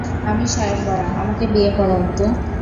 আমি স্বয়ংবরা, আমাকে বিয়ে করো অন্তু।